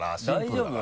大丈夫？